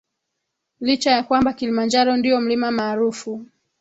licha ya kwamba Kilimanjaro ndio mlima maarufu